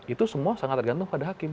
itu semua sangat tergantung pada hakim